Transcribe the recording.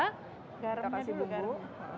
kita kasih bumbu